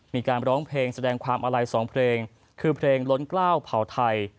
มีการร้องเพลงแสดงความอาลัย๒เพลงคือเพลงล้นกล้าวเผาไทย